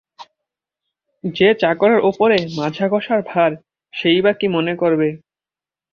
যে চাকরের উপরে মাজাঘষার ভার, সেই বা কী মনে করবে?